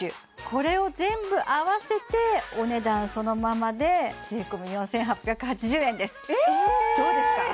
これを全部合わせてお値段そのままで税込４８８０円ですどうですか！？